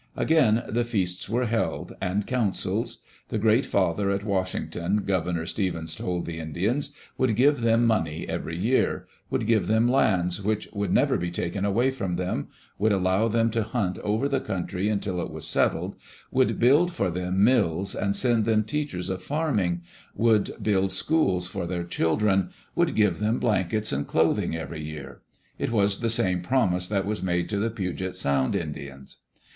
Again the feasts were held, and councils. The Great Father at Washington, Governor Stevens told the Indians, would give them money every year; would give them lands which could never be taken away from them ; would allow them to hunt over the country until it was settled; would build for them mills, and send them teachers of farming; Digitized by CjOOQ IC THE GREAT COUNCIL AT WALLA WALLA would build schools for their children; would give them blankets and clothing every year. It was the same promise that was made to the Puget Sound Indians.